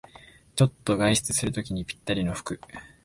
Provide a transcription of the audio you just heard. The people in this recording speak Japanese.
ちょっと外出するときにぴったりの服